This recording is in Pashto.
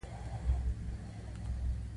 د اولبرس پاراډوکس د شپې تیاره حل کوي.